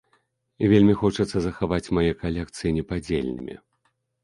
Вельмі хочацца захаваць мае калекцыі непадзельнымі.